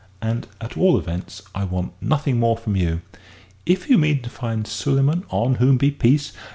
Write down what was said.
And, at all events, I want nothing more from you. If you mean to find Suleyman (on whom be peace!)